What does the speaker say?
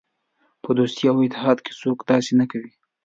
په دوستۍ او اتحاد کې څوک داسې نه کوي.